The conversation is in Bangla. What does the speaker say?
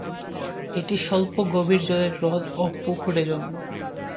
এটি স্বল্প গভীর জলের হ্রদ ও পুকুরে জন্মে।